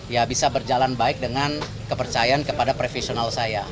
ya bisa berjalan baik dengan kepercayaan kepada profesional saya